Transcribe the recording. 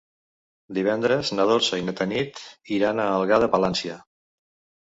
Divendres na Dolça i na Tanit iran a Algar de Palància.